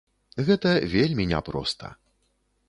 Гэта вельмі не проста.